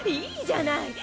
いいじゃない！